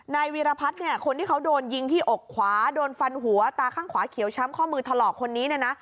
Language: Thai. วีรพัฒน์เนี่ยคนที่เขาโดนยิงที่อกขวาโดนฟันหัวตาข้างขวาเขียวช้ำข้อมือถลอกคนนี้เนี่ยนะ